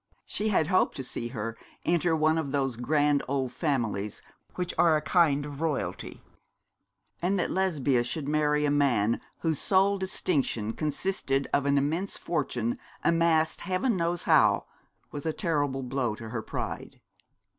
She had hoped to see her enter one of those grand old families which are a kind of royalty. And that Lesbia should marry a man whose sole distinction consisted of an immense fortune amassed heaven knows how, was a terrible blow to her pride.